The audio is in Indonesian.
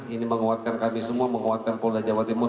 ini menguatkan kami semua menguatkan polda jawa timur